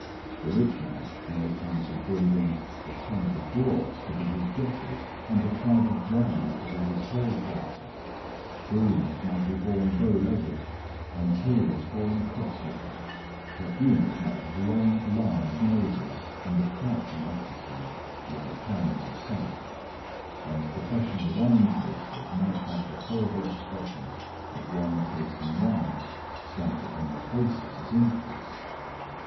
The rich man may come to breeding a tribe of dwarfs to be his jockeys, and a tribe of giants to be his hall porters. Grooms might be born bow legged and tailors born cross legged; perfumers might have long, large noses and a crouching attitude, like hounds of scent; and professional wine tasters might have the horrible expression of one tasting wine stamped upon their faces as infants.